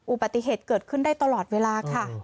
อุบัติเหตุเกิดขึ้นได้ตลอดเวลาค่ะ